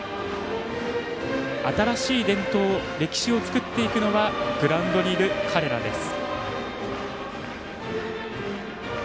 新しい伝統・歴史を作っていくのはグラウンドにいる彼らです。